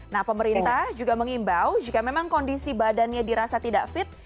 nah pemerintah juga mengimbau jika memang kondisi badannya dirasa tidak fit